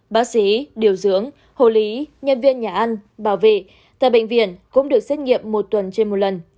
bác sĩ điều dưỡng hồ lý nhân viên nhà ăn bảo vệ tại bệnh viện cũng được xét nghiệm một tuần trên một lần